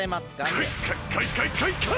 カイカイカイカイカイ！